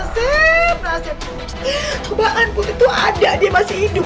nasib nasib tuhan berkata putri itu ada dia masih hidup